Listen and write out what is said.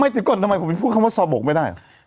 ไม่จริงก่อนทำไมผมยังพูดคำว่าชาวโบกไม่ได้